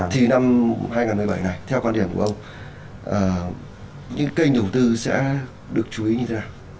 thì năm hai nghìn một mươi bảy này theo quan điểm của ông những kênh đầu tư sẽ được chú ý như thế nào